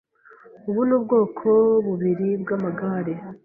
Ubu ni ubwoko bubiri bwamagare.